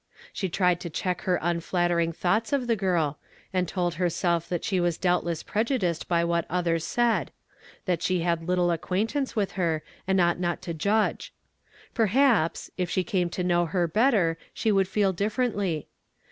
She tried to cheek her nhflatterin<. thonght. of the girl, and told herself that she was doubtless prejudieed by what others said ; that she had httlc aeqnaintanee with her, and ono ht not to judge. Perhaps, if she came to know h.v better, she would feel differently.